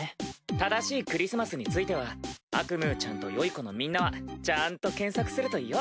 正しいクリスマスについてはアクムーちゃんとよい子のみんなはちゃんと検索するといいよ！